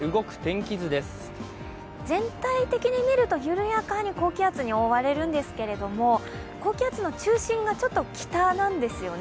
全体的に見るとゆるやかに高気圧に覆われるんですけど高気圧の中心がちょっと北なんですよね。